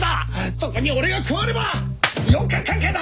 そこに俺が加われば四角関係だ！